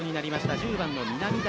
１０番の南舘